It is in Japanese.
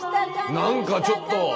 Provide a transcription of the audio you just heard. なんかちょっと。